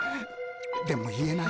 でも言えない。